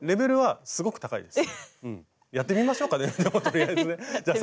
やってみましょうかねとりあえずね。